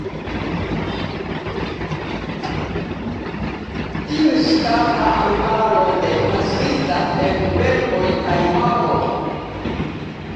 Tiu ŝtata arbaro de konsistas el kverkoj kaj fagoj.